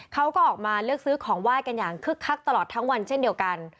เขาก็ออกมาเลือกซื้อของไหว้กันอย่างคึกคักตลอดทั้งวันเช่นเดียวกัน